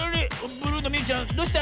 ブルーのみゆちゃんどうした？